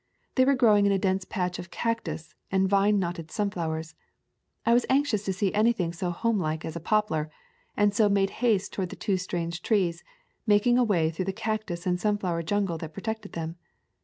They were growing in a dense patch of cactus and vine knotted sunflowers. I was anxious to see anything so homelike as a poplar, and so made haste towards the two strange trees, mak ing a way through the cactus and sunflower jungle that protected them.